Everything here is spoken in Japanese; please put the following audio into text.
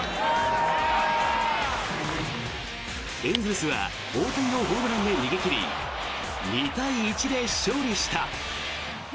エンゼルスは大谷のホームランで逃げ切り、２対１で勝利した。